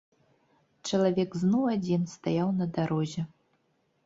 Чалавек зноў адзін стаяў на дарозе.